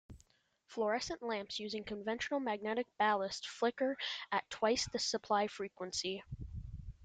Fluorescent lamps using conventional magnetic ballasts flicker at twice the supply frequency.